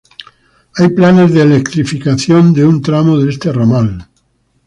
Hay planes de electrificación de un tramo de este ramal.